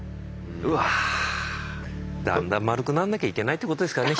うわだんだんまるくなんなきゃいけないってことですかね